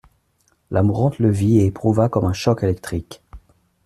La mourante le vit et éprouva comme un choc électrique.